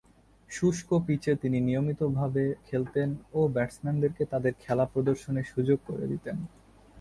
শুষ্ক পিচে তিনি নিয়মিতভাবে খেলতেন ও ব্যাটসম্যানদেরকে তাদের খেলার প্রদর্শনের সুযোগ করে দিতেন।